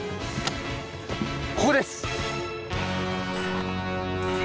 ここです！